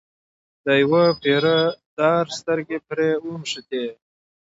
د یوه پیره دار سترګې پر وموښتې.